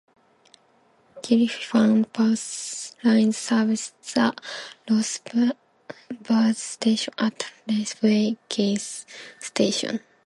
Greyhound Bus Lines serves the Rosenberg Station at Raceway gas station.